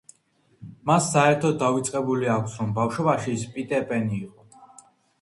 მას საერთოდ დავიწყებული აქვს, რომ ბავშვობაში ის პიტერ პენი იყო.